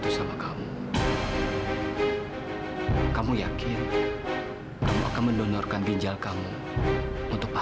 sampai jumpa di video selanjutnya